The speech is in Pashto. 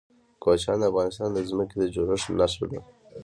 کوچیان د افغانستان د ځمکې د جوړښت نښه ده.